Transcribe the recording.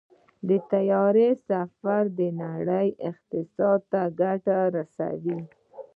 د طیارې سفر د نړۍ اقتصاد ته ګټه رسوي.